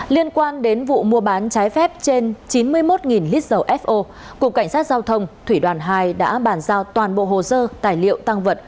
liên quan đến vụ mua bán trái phép trên chín mươi một lít dầu fo cục cảnh sát giao thông thủy đoàn hai đã bàn giao toàn bộ hồ sơ tài liệu tăng vật